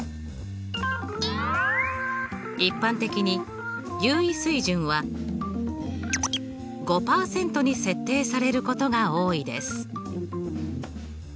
一般的に有意水準は５％に設定されることが多いです。